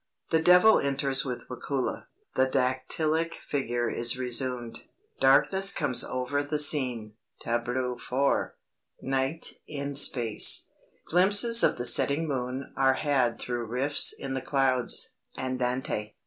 The devil enters with Wakula (the dactyllic figure is resumed). Darkness comes over the scene. "TABLEAU IV. NIGHT, IN SPACE "Glimpses of the setting moon are had through rifts in the clouds (Andante).